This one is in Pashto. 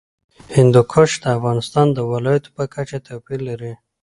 هندوکش د افغانستان د ولایاتو په کچه توپیر لري.